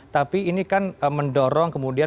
tapi ini kan mendorong kemudian